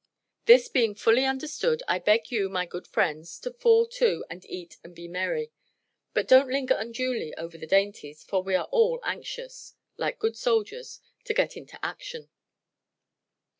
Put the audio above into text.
This being fully understood, I beg you, my good friends, to fall to and eat and be merry; but don't linger unduly over the dainties, for we are all anxious, like good soldiers, to get into action."